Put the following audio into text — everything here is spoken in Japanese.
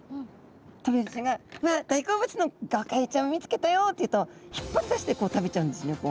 トビハゼちゃんが「わあっ大好物のゴカイちゃんを見つけたよ！」って言うと引っ張り出してこう食べちゃうんですね。